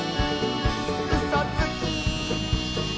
「うそつき！」